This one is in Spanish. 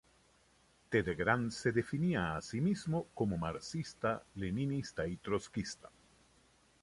Ted Grant se definía a sí mismo como marxista, leninista y trotskista.